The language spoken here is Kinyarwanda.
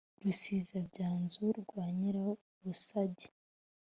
rusiza-byanzu rwa nyirabusage